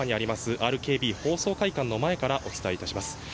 ＲＫＢ放送会館からお伝えします。